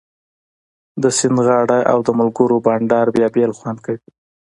د سیند غاړه او د ملګرو بنډار بیا بل خوند کوي